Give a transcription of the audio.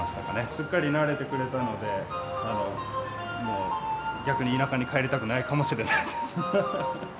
すっかり慣れてくれたので、もう逆に田舎に帰りたくないかもしれないです。